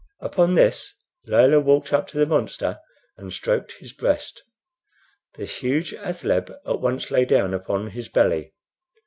Upon this Layelah walked up to the monster and stroked his breast. The huge athaleb at once lay down upon his belly.